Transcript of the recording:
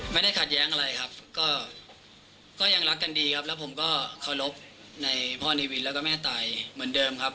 ไม่ได้ขัดแย้งอะไรครับก็ยังรักกันดีครับแล้วผมก็เคารพในพ่อเนวินแล้วก็แม่ตายเหมือนเดิมครับ